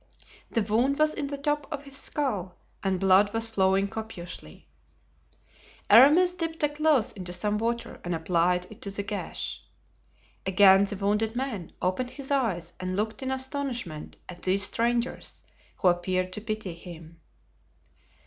The wound was in the top of his skull and blood was flawing copiously. Aramis dipped a cloth into some water and applied it to the gash. Again the wounded man opened his eyes and looked in astonishment at these strangers, who appeared to pity him.